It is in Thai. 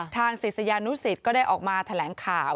ศิษยานุสิตก็ได้ออกมาแถลงข่าว